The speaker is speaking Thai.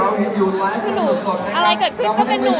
ในต่ำสินอะไรเกิดขึ้นก็เป็นหนู